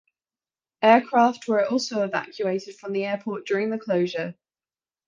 Aircraft were also evacuated from the airport during the closure.